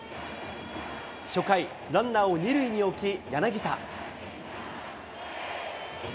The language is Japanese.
初回、ランナーを２塁に置き、柳田。